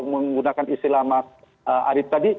menggunakan istilah mas arief tadi